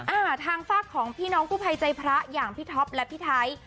อ่าทางฝากของพี่น้องกู้ภัยใจพระอย่างพี่ท็อปและพี่ไทย